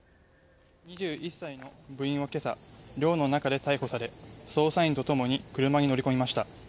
２１歳の部員は今朝寮の中で逮捕され捜査員とともに、車に乗り込みました。